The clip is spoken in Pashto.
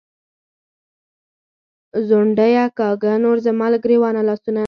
“ځونډیه”کاږه نور زما له ګرېوانه لاسونه